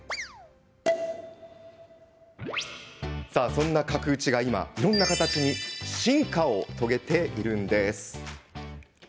そんな角打ちが今、いろんな形に進化を遂げています。